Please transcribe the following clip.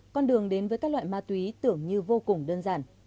con đường đến với các loại ma túy tưởng như vô cùng đơn giản